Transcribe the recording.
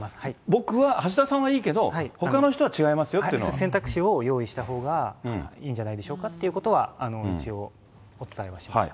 僕は、橋田さんはいいけど、ほかの人は違いますよっていうの選択肢を用意したほうがいいんじゃないでしょうかっていうことは、一応、お伝えはしました。